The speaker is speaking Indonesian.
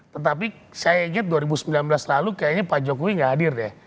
tetapi saya ingat dua ribu sembilan belas lalu kayaknya pak jokowi gak hadir deh